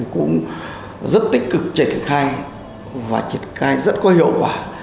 cũng rất tích cực triển khai và triệt khai rất có hiệu quả